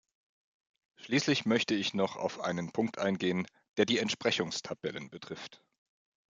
Schließlich möchte ich noch auf einen Punkt eingehen, der die Entsprechungstabellen betrifft.